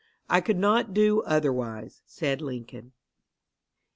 "I could not do otherwise," said Lincoln.